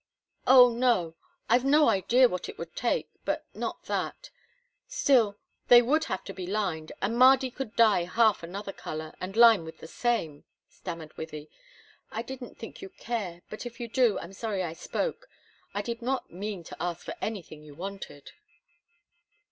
"Oh, no; I've no idea what it would take, but not that still, they would have to be lined, and Mardy could dye half another color, and line with the same," stammered Wythie. "I didn't think you'd care, but if you do I'm sorry I spoke I did not mean to ask for anything you wanted."